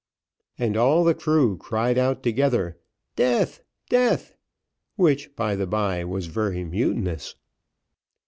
And all the crew cried out together, "Death death!" which, by the bye, was very mutinous.